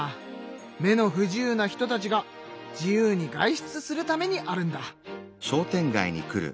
目の不自由な人たちが自由に外出するためにあるんだ。